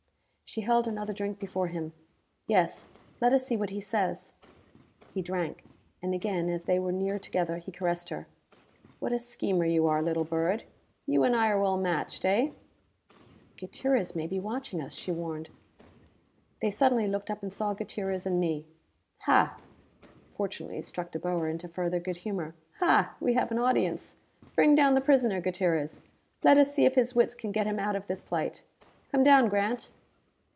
She held another drink before him. "Yes. Let us see what he says." He drank; and again as they were near together he caressed her. "What a schemer you are, little bird. You and I are well matched, eh?" "Gutierrez may be watching us!" she warned. They suddenly looked up and saw Gutierrez and me. "Hah!" Fortunately it struck De Boer into further good humor. "Hah we have an audience! Bring down the prisoner, Gutierrez! Let us see if his wits can get him out of this plight. Come down, Grant!"